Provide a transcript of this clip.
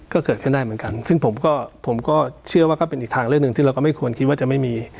ก็เกิดขึ้นได้เหมือนกันซึ่งผมก็ผมก็เชื่อว่าก็เป็นอีกทางเรื่องหนึ่งที่เราก็ไม่ควรคิดว่าจะไม่มี